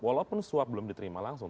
walaupun suap belum diterima langsung